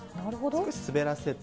少し滑らせて。